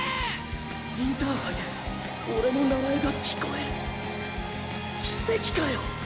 インターハイでオレの名前が聞こえる奇跡かよ。